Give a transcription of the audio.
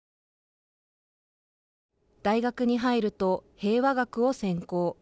大学に入ると平和学を専攻。